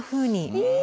え！